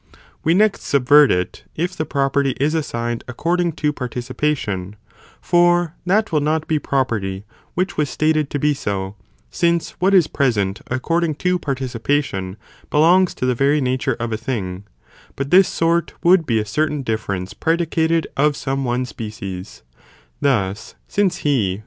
We next subvert it, if the property is assigned 4 ir shat is δε. according to participation, for that will not be signed as apro property which was stated to be so, since what is Prt'fiiny var. present according to participation, belongs: to the [668 οὐ, 6 κ very nature of a thing, but this sort would bea © certain difference predicated of some one species: thus, since he who.